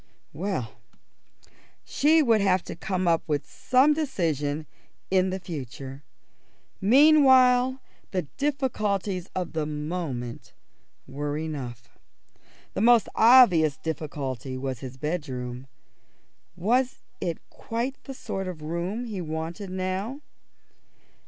Well, she would have to come to some decision in the future. Meanwhile the difficulties of the moment were enough. The most obvious difficulty was his bedroom. Was it quite the sort of room he wanted now?